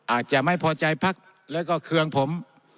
อาจจะไม่พอใจพักแล้วก็เคืองผม